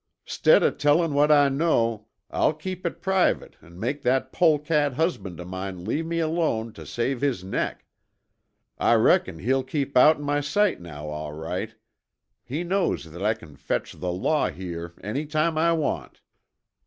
'Stead o' tellin' what I know, I'll keep it private an' make that polecat husband of mine leave me alone tuh save his neck. I reckon he'll keep outen my sight now, all right. He knows that I can fetch the law here any time I want."